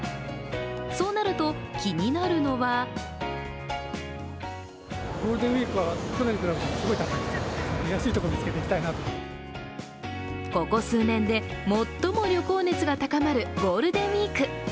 そうなると気になるのはここ数年で最も旅行熱が高まるゴールデンウイーク。